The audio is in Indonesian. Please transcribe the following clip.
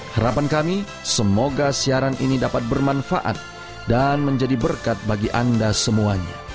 harapan kami semoga siaran ini dapat bermanfaat dan menjadi berkat bagi anda semuanya